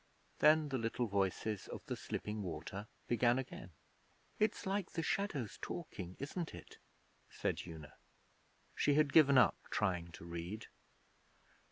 Then the little voices of the slipping water began again. 'It's like the shadows talking, isn't it?' said Una. She had given up trying to read.